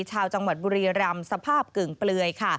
ชาวจังหวัดบุรีรำสภาพกึ่งเปลือยค่ะ